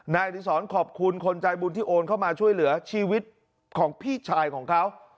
อดีศรขอบคุณคนใจบุญที่โอนเข้ามาช่วยเหลือชีวิตของพี่ชายของเขา